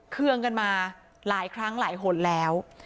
เครื่องกันมาหลายครั้งหลายหนแล้ว